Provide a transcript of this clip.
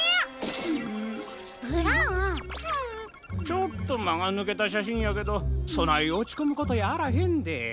ちょっとまがぬけたしゃしんやけどそないおちこむことやあらへんで。